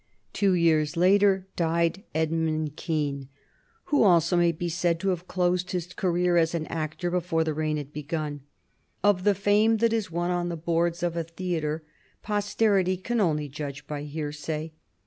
Two years later died Edmund Kean, who also may be said to have closed his career as an actor before the reign had begun. Of the fame that is won on the boards of a theatre posterity can only judge by hearsay.